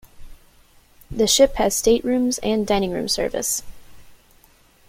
The ship has staterooms and dining room service.